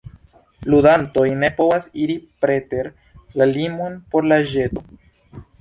Ludantoj ne povas iri preter la limon por la ĵeto.